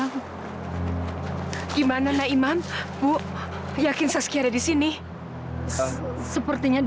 sampai jumpa di video selanjutnya